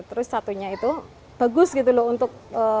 terus satunya itu bagus gitu loh untuk